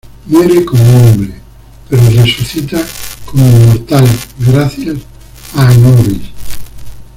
Muere como hombre, pero resucita como inmortal gracias a Anubis.